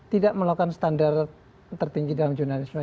tidak melakukan standar tertinggi dalam jurnalisme